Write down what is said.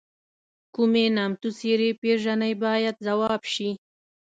کومې نامتو څېرې پیژنئ باید ځواب شي.